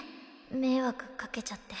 迷惑かけちゃって。